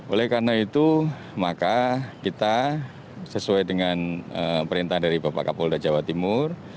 oleh karena itu maka kita sesuai dengan perintah dari bapak kapolda jawa timur